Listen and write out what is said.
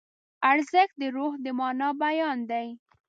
ارزښت د روح د مانا بیان دی.